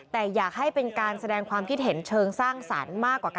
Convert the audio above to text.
แต่อยากให้เป็นการแสดงความคิดเห็นเชิงสร้างสรรค์มากกว่ากัน